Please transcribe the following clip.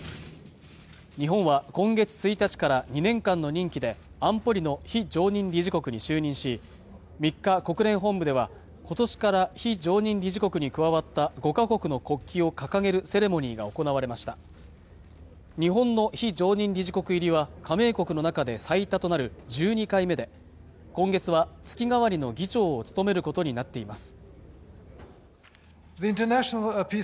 日本は今月１日から２年間の任期で安保理の非常任理事国に就任し３日、国連本部ではことしから非常任理事国に加わった５か国の国旗を掲げるセレモニーが行われました日本の非常任理事国入りは加盟国の中で最多となる１２回目で今月は月替わりの議長を務めることになっています